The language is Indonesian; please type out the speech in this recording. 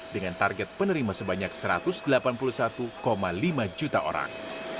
dengan target penerima sebanyak satu ratus delapan puluh satu lima juta orang